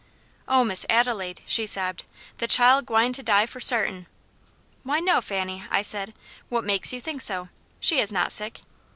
'Oh! Miss Adelaide,' she sobbed, 'the chile gwine die for sartain!' 'Why no, Fanny,' I said, 'what makes you think so? she is not sick.'